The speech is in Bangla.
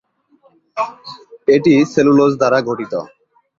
এটি সেলুলোজ দ্বারা গঠিত।